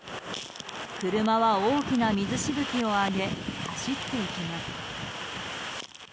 車は大きな水しぶきを上げ走っています。